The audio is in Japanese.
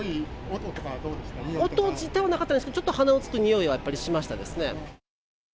音自体はなかったんですけど、ちょっと鼻を突く臭いはやっぱりしましたですね。